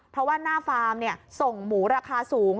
เพราะว่าหน้าฟาร์มส่งหมูราคาสูง